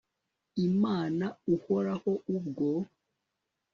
imana uhoraho ubwo